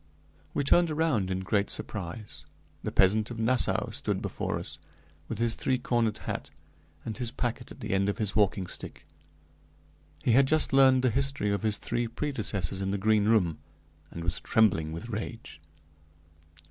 We turned around in great surprise; the peasant of Nassau stood before us, with his three cornered hat, and his packet at the end of his walking stick. He had just learned the history of his three predecessors in the Green Room, and was trembling with rage.